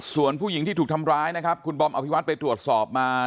ส่วนผู้หญิงที่ถูกทำร้ายนะครับคุณบอมอภิวัตไปตรวจสอบมา